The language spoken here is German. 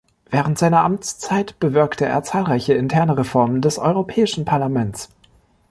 Während seiner Amtszeit bewirkte er zahlreiche interne Reformen des Europäischen Parlaments.